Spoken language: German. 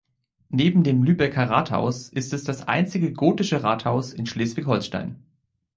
Neben dem Lübecker Rathaus ist es das einzige gotische Rathaus in Schleswig-Holstein.